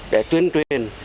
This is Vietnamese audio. để tuyên truyền